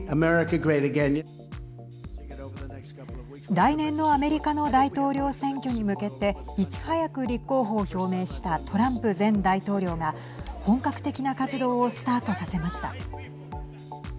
来年のアメリカの大統領選挙に向けていち早く立候補を表明したトランプ前大統領が本格的な活動をスタートさせました。